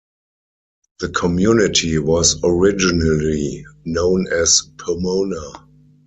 The community was originally known as Pomona.